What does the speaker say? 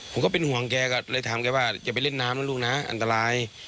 ผมก็เป็นห่วงแกก็เลยถามแกว่าจะไปเล่นน้ำนะลูกนะอันตราย